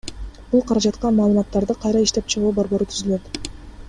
Бул каражатка Маалыматтарды кайра иштеп чыгуу борбору түзүлөт.